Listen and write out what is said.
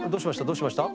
どうしました？